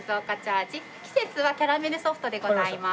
季節はキャラメルソフトでございます。